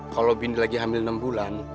kalau bini lagi hamil enam bulan